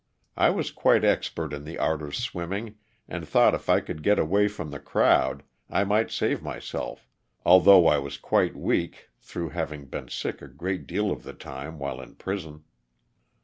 I was quite expert in the art of swimming and thought if I could get away from the crowd I might save myself, although I was quite weak through having been sick a great deal of the time while in prison.